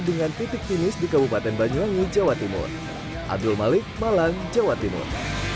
dengan titik finish di kabupaten banyuwangi jawa timur abdul malik malang jawa timur